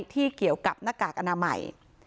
ที่เกี่ยวกับหน้ากากอนามัย